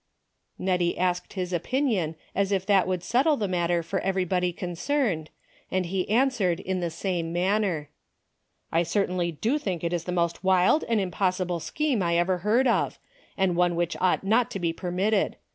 JS^ettie asked his opinion as if that would settle the matter for everybody concerned, and he answered in the same manner. " I certainly do think it is the most wild and impossible scheme I ever heard of, and one Avhich ought not to be permitted.